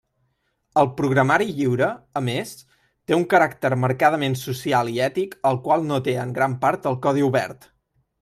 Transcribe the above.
El programari lliure, a més, té un caràcter marcadament social i ètic el qual no té en gran part el codi obert.